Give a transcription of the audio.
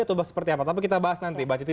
atau seperti apa tapi kita bahas nanti mbak citi